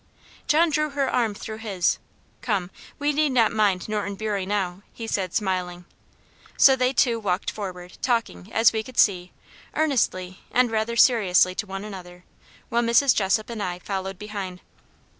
John drew her arm through his. "Come, we need not mind Norton Bury now," he said, smiling. So they two walked forward, talking, as we could see, earnestly and rather seriously to one another; while Mrs. Jessop and I followed behind.